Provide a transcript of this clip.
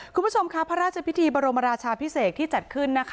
คุณผู้ชมค่ะพระราชพิธีบรมราชาพิเศษที่จัดขึ้นนะคะ